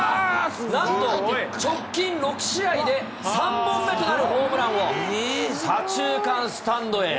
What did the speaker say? なんと、直近６試合で３本目となるホームランを左中間スタンドへ。